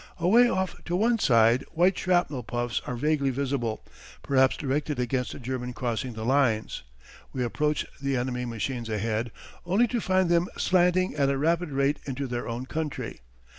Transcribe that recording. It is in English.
Away off to one side white shrapnel puffs are vaguely visible, perhaps directed against a German crossing the lines. We approach the enemy machines ahead, only to find them slanting at a rapid rate into their own country.